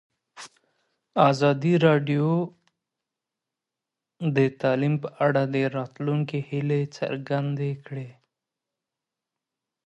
ازادي راډیو د تعلیم په اړه د راتلونکي هیلې څرګندې کړې.